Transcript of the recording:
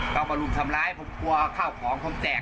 พวกอาวุธหลุดทำร้ายพวกกลัวเข้าของผมแตก